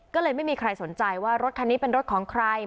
ก็เลยไม่มีใครสนใจว่ารถคันนี้เป็นรถของใคร